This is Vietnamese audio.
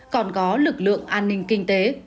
còn có lực lượng an ninh kinh tế